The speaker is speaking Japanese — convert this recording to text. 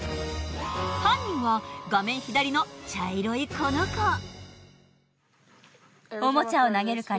犯人は画面左の茶色いこの子。